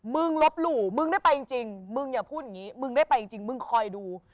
ลบหลู่มึงได้ไปจริงมึงอย่าพูดอย่างนี้มึงได้ไปจริงมึงคอยดู